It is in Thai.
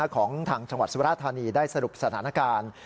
ของทางจังหวัดสุราธานีได้สรุปสถานการณ์